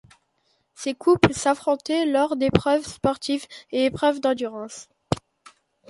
Ces couples s'affrontaient lors d'épreuves sportives et épreuves d'endurance.